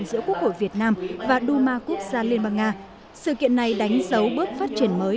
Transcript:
giữa quốc hội việt nam và duma quốc gia liên bang nga sự kiện này đánh dấu bước phát triển mới